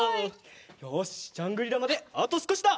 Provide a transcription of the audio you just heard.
よしジャングリラまであとすこしだ！